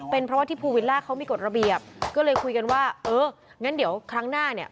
เป็นเพราะว่าที่ภูวิลล่าเขามีกฎระเบียบก็เลยคุยกันว่าเอองั้นเดี๋ยวครั้งหน้าเนี่ย